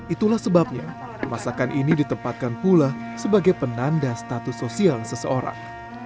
itulah sebabnya masakan ini ditempatkan pula sebagai penanda status sosial seseorang